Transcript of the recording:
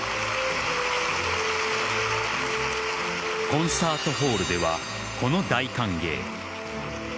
コンサートホールではこの大歓迎。